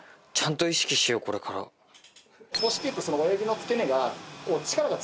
母指球ってその親指の付け根が。